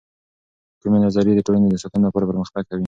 کومې نظریې د ټولنې د ساتنې لپاره پر مختګ کوي؟